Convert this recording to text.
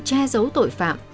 che giấu tội phạm